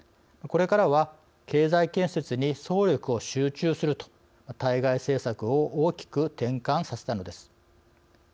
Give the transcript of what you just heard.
これからは経済建設に総力を集中すると対外政策を大きく転換させたのです。